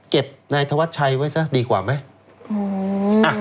นายธวัชชัยไว้ซะดีกว่าไหม